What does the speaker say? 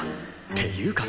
っていうか